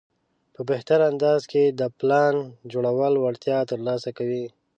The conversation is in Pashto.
په بهتر انداز کې د پلان جوړولو وړتیا ترلاسه کوي.